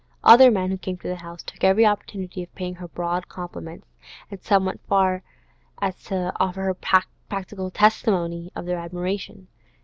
Other men who came to the house took every opportunity of paying her broad compliments, and some went so far as to offer practical testimony of their admiration.